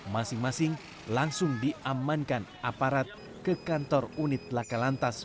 masing masing langsung diamankan aparat ke kantor unit lakalantas